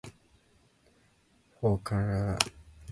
Four Corners Elementary School is the local elementary school.